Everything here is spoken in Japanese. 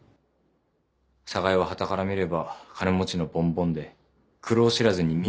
寒河江ははたから見れば金持ちのぼんぼんで苦労知らずに見えてた。